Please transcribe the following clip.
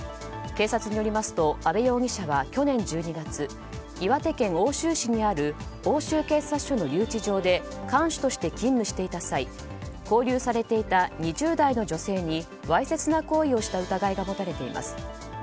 警察によりますと阿部容疑者は去年１２月岩手県奥州市にある奥州警察署の留置場で看守として勤務していた際勾留されていた２０代の女性にわいせつな行為をした疑いが持たれています。